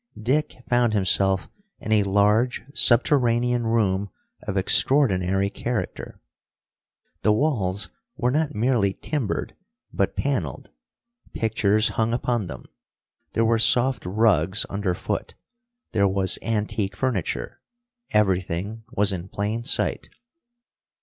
Dick found himself in a large subterranean room of extraordinary character. The walls were not merely timbered, but paneled. Pictures hung upon them, there were soft rugs underfoot, there was antique furniture. Everything was in plain sight.